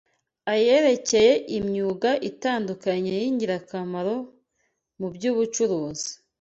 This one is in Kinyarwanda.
ayerekeye imyuga itandukanye y’ingirakamaro mu by’ubucuruzi